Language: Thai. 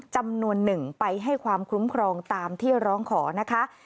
จำนวนหนึ่งไปให้ความคุ้มครองตามที่ร้องขอนะคะ